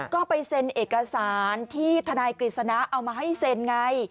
ก็ไปเซ็นเอกสารที่ทนายกฤษณะเอามาให้เซ็นไง